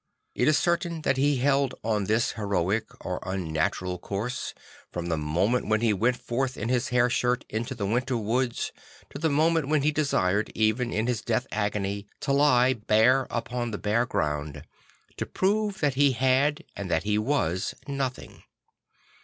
I t is certain that he held on this heroic or unnatural Le J ollg1eur de Dieu 93 course from the moment when he went forth in his hair shirt into the winter woods to the moment when he desired even in his death agony to lie bare upon the bare ground, to prove that he had and that he was nothing.